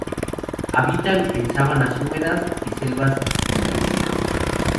Habitan en sabanas húmedas y selvas en galería.